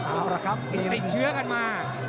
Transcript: เอาล่ะครับติดเชื้อกันมา